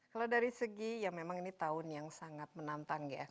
kalau dari segi ya memang ini tahun yang sangat menantang ya